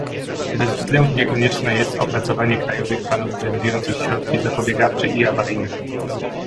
Bezwzględnie konieczne jest opracowanie krajowych planów przewidujących środki zapobiegawcze i awaryjne